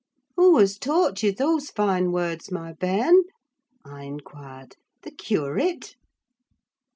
"Who has taught you those fine words, my bairn?" I inquired. "The curate?"